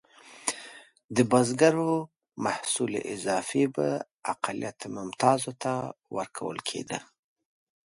د بزګرو محصول اضافي به اقلیت ممتازو ته ورکول کېده.